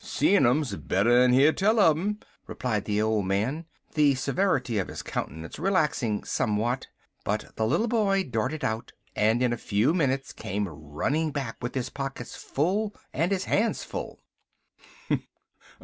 "Seein' um's better'n hearin' tell un um, replied the old man, the severity of his countenance relaxing somewhat; but the little boy darted out, and in a few minutes came running back with his pockets full and his hands full.